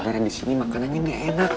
karena disini makanannya gak enak